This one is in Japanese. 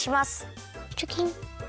チョキン。